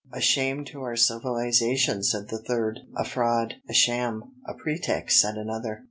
"A shame to our civilization," said the third. "A fraud, a sham, a pretext," said another.